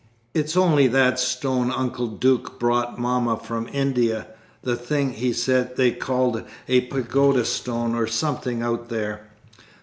"It's only that stone Uncle Duke brought mamma from India; the thing, he said, they called a 'Pagoda stone,' or something, out there."